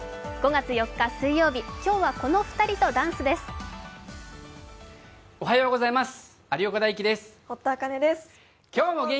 ５月４日水曜日、今日はこの２人とダンスです。